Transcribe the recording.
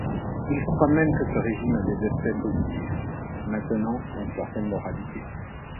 Il croit même que ce régime a des aspects positifs, maintenant une certaine moralité.